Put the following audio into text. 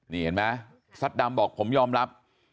นี่เห็นไหมซัดดำบอกผมยอมรับ